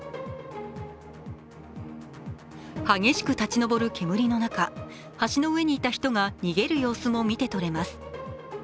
激しく立ち上る煙の中橋の上に人たちが逃げる様子も見てとれます。